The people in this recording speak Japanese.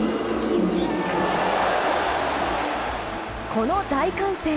この大歓声。